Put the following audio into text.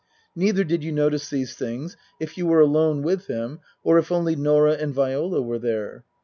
Neither did you notice these things if you were alone with him or if only Norah and Viola were there.